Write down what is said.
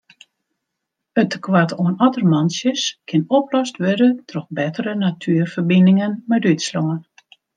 It tekoart oan ottermantsjes kin oplost wurde troch bettere natuerferbiningen mei Dútslân.